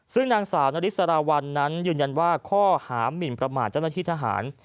ซึ่งนางสาวนริสราวัลนั้นยืนยันว่าข้อหามินประมาทเจ้าหน้าที่ทหาร